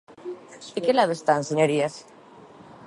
¿De que lado están, señorías?